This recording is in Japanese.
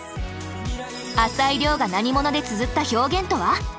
朝井リョウが「何者」でつづった表現とは？